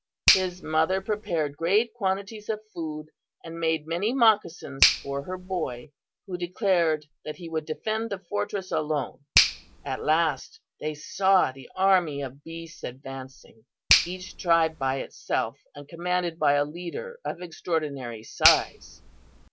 His mother prepared great quantities of food and made many moccasins for her boy, who declared that he would defend the fortress alone. "At last they saw the army of beasts advancing, each tribe by itself and commanded by a leader of extraordinary size.